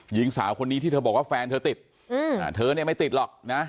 หญิงสาวคนนี้ที่เธอบอกว่าแฟนเธอติดเธอเนี่ยไม่ติดหรอกนะ